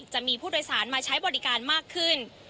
จะมีผู้โดยสารมาใช้บริการมากขึ้น